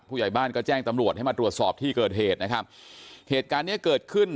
ผู้ใหญ่บ้านก็แจ้งตำรวจให้มาตรวจสอบที่เกิดเหตุนะครับเหตุการณ์เนี้ยเกิดขึ้น